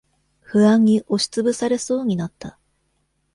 不安に押しつぶされそうになった。